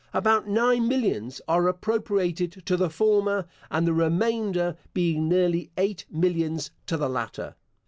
About nine millions are appropriated to the former; and the remainder, being nearly eight millions, to the latter.